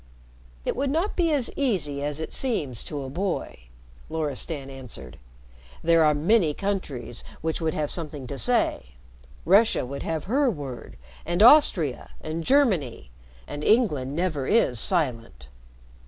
"It would not be as easy as it seems to a boy," Loristan answered. "There are many countries which would have something to say Russia would have her word, and Austria, and Germany; and England never is silent.